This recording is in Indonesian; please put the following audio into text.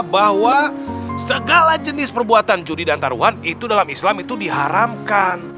bahwa segala jenis perbuatan judi dan taruhan itu dalam islam itu diharamkan